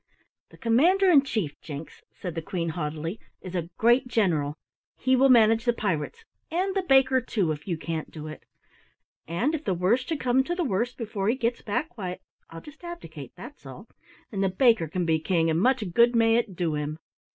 "The Commander in Chief, Jinks," said the Queen haughtily, "is a great general. He will manage the pirates and the baker, too, if you can't do it. And if the worst should come to the worst before he gets back, why I'll just abdicate, that's all, and the baker can be king and much good may it do him."